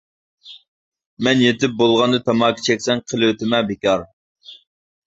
مەن يېتىپ بولغاندا تاماكا چەكسەڭ، . قىلىۋېتىمەن بىكار!